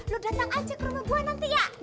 lu datang aja ke rumah gue nanti ya